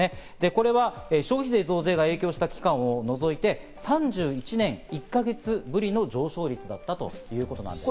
これは消費税増税が影響した期間を除いて、３１年１か月ぶりの上昇率だったということなんです。